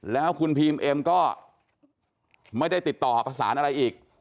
แล้วคุณพีมเอ็มก็ไม่ได้ติดต่อประสานอะไรอีก